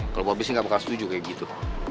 kalau mau abisnya gak bakal setuju kayak gitu